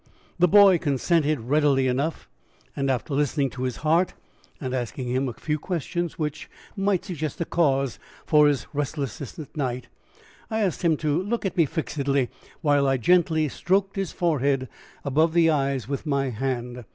"The boy consented readily enough, and after listening to his heart, and asking him a few questions which might suggest a cause for his restlessness at night, I asked him to look at me fixedly while I gently stroked his forehead above the eyes with my hand.